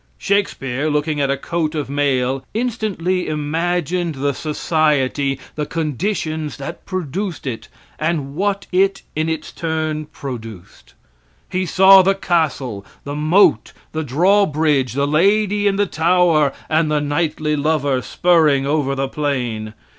Shakespeare, looking at a coat of mail, instantly imagined the society, the conditions that produced it, and what it, in its turn, produced. He saw the castle, the moat, the drawbridge, the lady in the tower, and the knightly lover spurring over the plain.